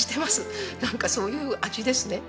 なんかそういう味ですね。